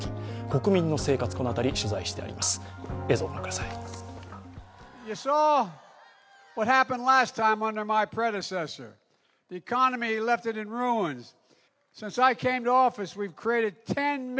国民の生活、この辺り取材してあります。